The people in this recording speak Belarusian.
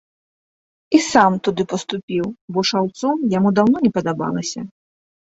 І сам туды паступіў, бо шаўцом яму даўно не падабалася.